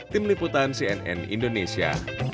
tim liputan cnn indonesia